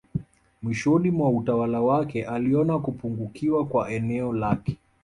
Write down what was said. Mwishowe mwa utawala wake aliona kupungukiwa kwa eneo lake